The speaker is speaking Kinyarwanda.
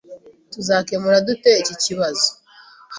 Tuzakemura dute iki kibazo?